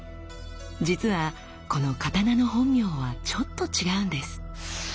実はこの刀の本名はちょっと違うんです。